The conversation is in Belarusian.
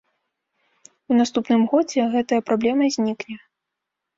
У наступным годзе гэтая праблема знікне.